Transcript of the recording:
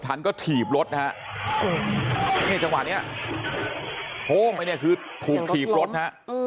ทันก็ถีบรถนะฮะนี่จังหวะนี้โค้งไปเนี่ยคือถูกถีบรถฮะ